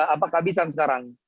apa kehabisan sekarang